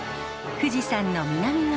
富士山の南側